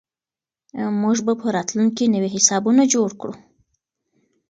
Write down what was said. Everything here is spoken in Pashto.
موږ به په راتلونکي کې نوي حسابونه جوړ کړو.